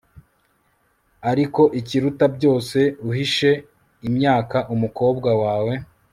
Ariko ikiruta byose uhishe imyaka umukobwa wawe